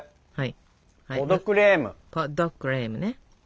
はい。